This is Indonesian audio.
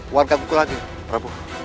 warga buku lagi prabu